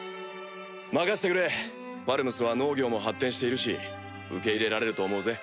任せてくれファルムスは農業も発展しているし受け入れられると思うぜ。